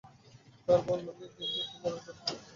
তাঁর পরনে লুঙ্গি ও গেঞ্জি এবং কোমরে গামছা বাঁধা ছিল।